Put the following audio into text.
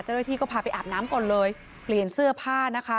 เจ้าหน้าที่ก็พาไปอาบน้ำก่อนเลยเปลี่ยนเสื้อผ้านะคะ